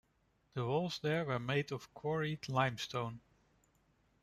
The walls there were made of quarried limestone.